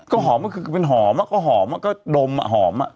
ก็หอมก็คือเป็นหอมก็หอมก็ดมอ่ะหอมอ่ะ